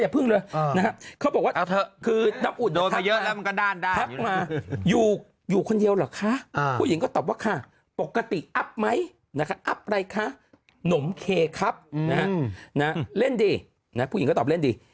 ผู้หญิงขอตอบเล่นดี